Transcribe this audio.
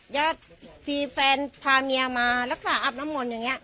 ญาติที่แฟนพาเมียมารักษาอาบน้ำมนต์อย่างนี้